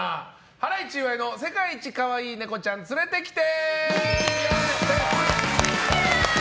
ハライチ岩井の世界一かわいいネコちゃん連れてきて！